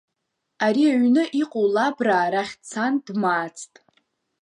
Ари аҩны иҟоу лабраа рахь дцан дмаацт.